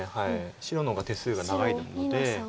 白の方が手数が長いので。